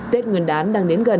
tết nguyên đán đang đến gần